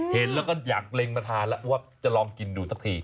เห็นแล้วก็อยากเล็งมาทานแล้วว่าจะลองกินดูสักที